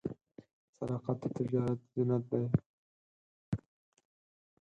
صداقت د تجارت زینت دی.